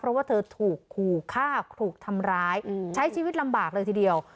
เพราะว่าเธอถูกขู่ฆ่าถูกทำร้ายใช้ชีวิตลำบากเลยทีเดียว